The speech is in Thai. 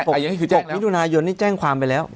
หกมิถุนายนนี่แจ้งความไปแล้ว